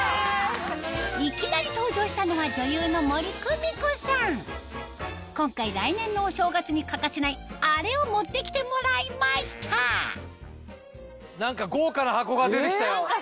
いきなり登場したのは女優の今回来年のお正月に欠かせないあれを持ってきてもらいました何か豪華な箱が出てきたよ。